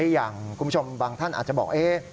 อย่างคุณผู้ชมบางท่านอาจจะบอก